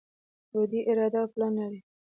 دوی اراده او پلان لري.